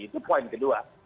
itu poin kedua